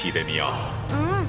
うん！